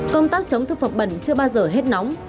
công tác chống thực phẩm bẩn chưa bao giờ hết nóng